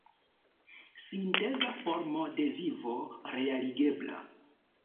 Sinteza formo de vivo realigebla!